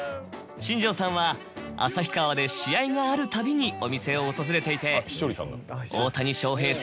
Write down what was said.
新庄さんは旭川で試合があるたびにお店を訪れていて。